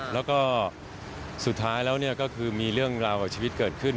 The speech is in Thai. แล้วก็สุดท้ายแล้วก็คือมีเรื่องราวกับชีวิตเกิดขึ้น